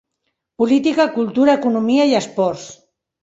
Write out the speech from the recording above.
Política, Cultura, Economia i Esports.